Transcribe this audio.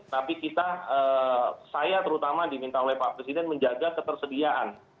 tapi kita saya terutama diminta oleh pak presiden menjaga ketersediaan